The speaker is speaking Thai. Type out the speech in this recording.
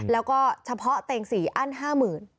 แล้วก็เฉพาะเต็งสี่อั้น๕หมื่น